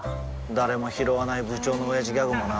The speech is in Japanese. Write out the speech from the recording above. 誰もひろわない部長のオヤジギャグもな